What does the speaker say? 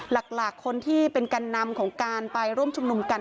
หลักคนที่เป็นแก่นนำของการไปร่วมชุมนุมกัน